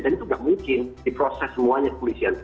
dan itu nggak mungkin diproses semuanya kepolisian